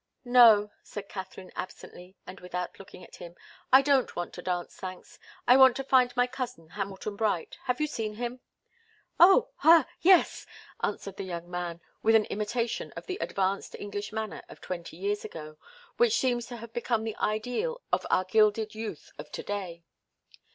"No," said Katharine, absently, and without looking at him. "I don't want to dance, thanks. I want to find my cousin, Hamilton Bright. Have you seen him?" "Oh ah yes!" answered the young man, with an imitation of the advanced English manner of twenty years ago, which seems to have become the ideal of our gilded youth of to day.